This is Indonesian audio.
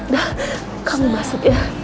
nah kamu masuk ya